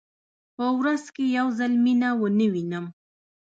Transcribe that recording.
په ورځ کې که یو ځل مینه ونه وینم.